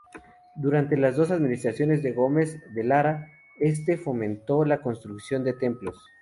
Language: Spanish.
Durante las dos administraciones de Gómez de Lara, este fomentó la construcción de templos.